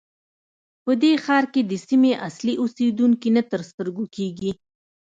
په دې ښار کې د سیمې اصلي اوسېدونکي نه تر سترګو کېږي.